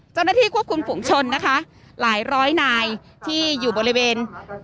เจ้าหน้าที่ควบคุมฝุงชนนะคะหลายร้อยนายที่อยู่บริเวณ